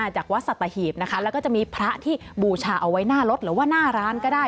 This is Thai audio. จากวัดสัตหีบนะคะแล้วก็จะมีพระที่บูชาเอาไว้หน้ารถหรือว่าหน้าร้านก็ได้